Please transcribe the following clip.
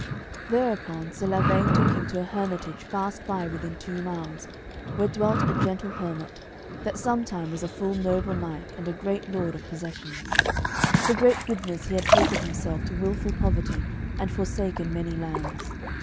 Thereupon Sir Lavaine took him to a hermitage fast by within two miles, where dwelt a gentle hermit, that sometime was a full noble knight and a great lord of possessions. For great goodness he had taken himself to wilful poverty, and forsaken many lands.